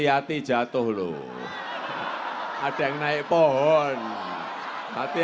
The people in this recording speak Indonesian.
ajak saudara kita